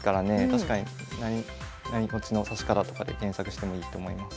確かに何落ちの指し方とかで検索してもいいと思います。